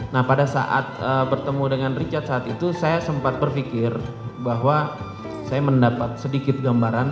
nah pada saat bertemu dengan richard saat itu saya sempat berpikir bahwa saya mendapat sedikit gambaran